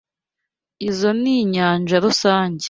Izoi ni nyanja rusange.